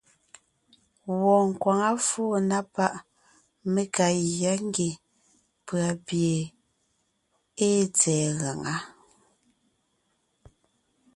Wɔɔn nkwaŋá fóo na páʼ mé ka gyá ngie pʉ̀a pie ée tsɛ̀ɛ gaŋá.